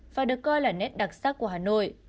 và được coi là nét đặc sắc của hà nội